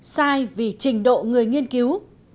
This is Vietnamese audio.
sai vì trình độ người nghiên cứu